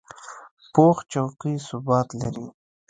پوخ چوکۍ ثبات لري